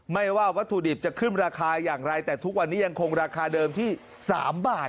ว่าวัตถุดิบจะขึ้นราคาอย่างไรแต่ทุกวันนี้ยังคงราคาเดิมที่๓บาท